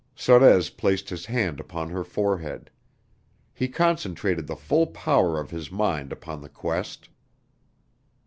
Sorez placed his hand upon her forehead. He concentrated the full power of his mind upon the quest.